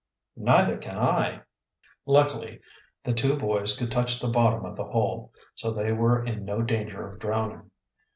"Neither can I." Luckily the two boys could touch the bottom of the hole, so they were in no danger of drowning.